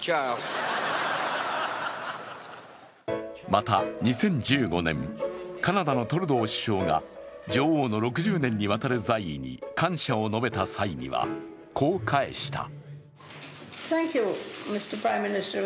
また、２０１５年、カナダのトルドー首相が女王の６０年にわたる在位に感謝を述べた際にはこう返した。